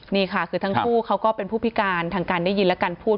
นี่ค่ะคือทั้งคู่เขาก็เป็นผู้พิการทางการได้ยินและการพูด